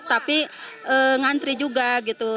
tapi ngantri juga gitu